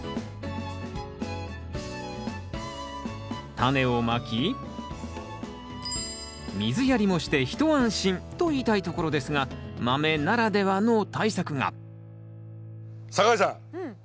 タネをまき水やりもして一安心と言いたいところですがマメならではの対策が酒井さん